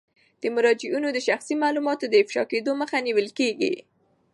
د مراجعینو د شخصي معلوماتو د افشا کیدو مخه نیول کیږي.